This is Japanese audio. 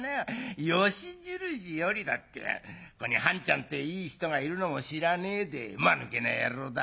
ここに半ちゃんてえいい人がいるのも知らねえでまぬけな野郎だ。